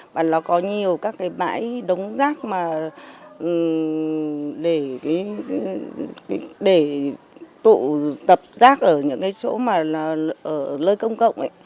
và nó có nhiều các bãi đống rác để tụ tập rác ở những chỗ lơi công cộng